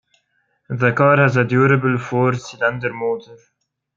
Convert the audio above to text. The car has a durable four-cylinder motor.